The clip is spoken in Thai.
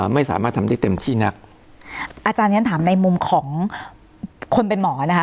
ไม่สามารถทำได้เต็มที่นักอาจารย์ฉันถามในมุมของคนเป็นหมอนะคะ